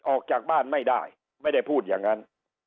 ออกจากบ้านไม่ได้ไม่ได้พูดอย่างนั้น